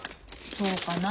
そうかな。